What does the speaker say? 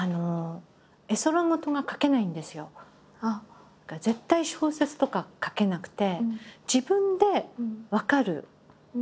私ね絶対小説とか書けなくて。